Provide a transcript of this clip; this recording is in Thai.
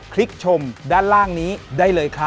ลิกชมด้านล่างนี้ได้เลยครับ